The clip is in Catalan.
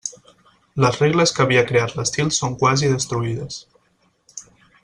Les regles que havia creat l'estil són quasi destruïdes.